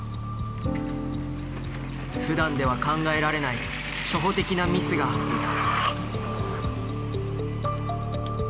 ふだんでは考えられない初歩的なミスが出た。